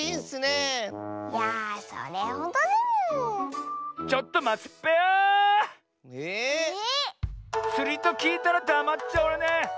ええっ⁉つりときいたらだまっちゃおれねえ！